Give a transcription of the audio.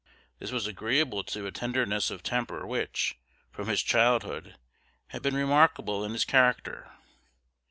This was agreeable to a tenderness of temper which, from his childhood, had been remarkable in his character.